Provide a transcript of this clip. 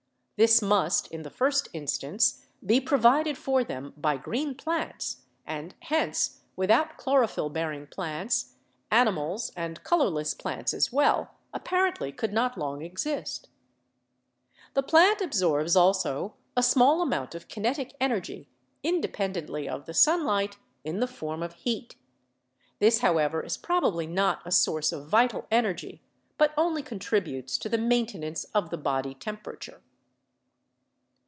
This must, in the first instance, be provided for them by green plants, and hence without chlorophyll bearing plants, animals (and colorless plants as well) apparently could not long exist The plant absorbs also a small amount of kinetic energy, independently of the sunlight, in the form of heat. This, however, is probably not a source of vital energy, but only contributes to the maintenance of the body temperature.